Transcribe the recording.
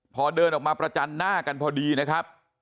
พอเดินออกมาประจันหน้ากันพอดีนะครับ